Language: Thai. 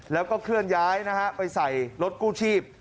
แล้วก็เคลื่อนย้ายนะฮะไปใส่รถกู้ชีพ